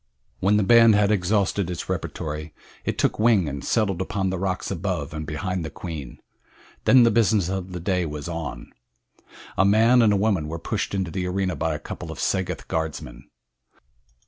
When the band had exhausted its repertory it took wing and settled upon the rocks above and behind the queen. Then the business of the day was on. A man and woman were pushed into the arena by a couple of Sagoth guardsmen.